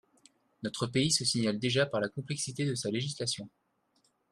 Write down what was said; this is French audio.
Notre pays se signale déjà par la complexité de sa législation.